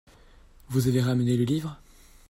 Vous avez ramené le livre ?